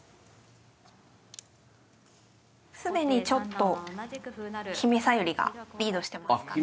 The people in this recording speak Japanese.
既にちょっとひめさゆりがリードしてますかね。